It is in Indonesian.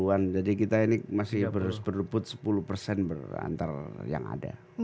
tiga puluh an jadi kita ini masih berdeput sepuluh berantar yang ada